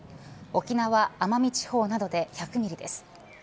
沖縄、奄美地方などで１００ミリです。